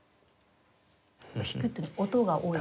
「弾く」っていうのは音が多い？